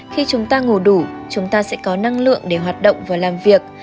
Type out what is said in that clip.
khi chúng ta ngồi đủ chúng ta sẽ có năng lượng để hoạt động và làm việc